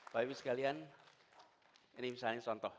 bapak ibu sekalian ini misalnya contoh